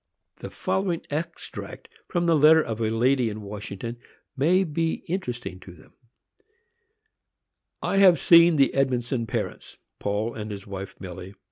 The following extract from the letter of a lady in Washington may be interesting to them: I have seen the Edmondson parents,—Paul and his wife Milly.